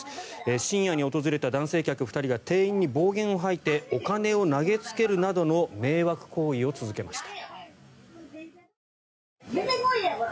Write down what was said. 深夜に訪れた男性客２人が店員に暴言を吐いてお金を投げつけるなどの迷惑行為を続けました。